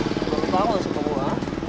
mas banget lu suka gua